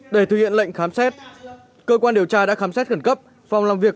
để thực hiện lệnh khám xét cơ quan điều tra đã khám xét khẩn cấp phòng làm việc